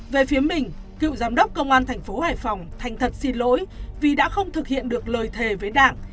về phía mình cựu giám đốc công an thành phố hải phòng thành thật xin lỗi vì đã không thực hiện được lời thề với đảng